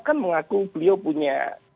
kan mengaku beliau punya